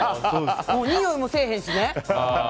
においもせえへんしね。